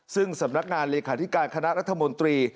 ซึ่งสำนักงานเลขาธิการคณะรัฐมนตรี